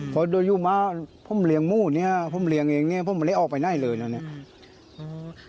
เพราะโดยอยู่มาผมเลี้ยงหมูเนี่ยผมเลี้ยงเองเนี่ยผมไม่ได้ออกไปไหนเลยนะเนี่ย